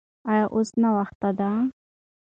ایا اوس ناوخته ده؟